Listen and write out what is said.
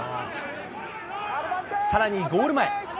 さらにゴール前。